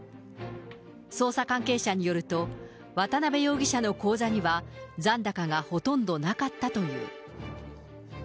捜査関係者によると、渡辺容疑者の口座には、残高がほとんどなかったという。